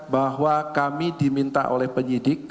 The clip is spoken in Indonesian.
bahwa kami diminta oleh penyidik